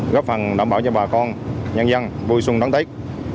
góp phần đảm bảo cho bà con nhân dân vui xuân đón tết